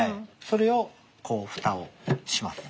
それをこう蓋をします。